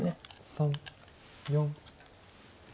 ３４。